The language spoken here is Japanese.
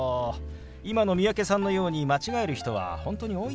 今の三宅さんのように間違える人は本当に多いんですよ。